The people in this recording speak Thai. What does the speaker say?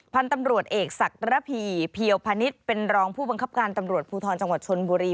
พันธุ์ตำรวจเอกศักระพีเพียวพนิษฐ์เป็นรองผู้บังคับการตำรวจภูทรจังหวัดชนบุรี